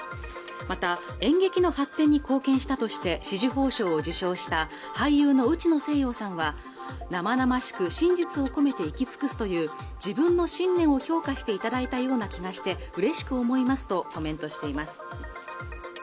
また演劇の発展に貢献したとして紫綬褒章を受章した俳優の内野聖陽さんは生々しく真実をこめて生き尽くすという自分の信念を評価していただいたような気がしてうれしく思いますとコメントしています